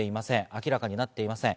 明らかになっていません。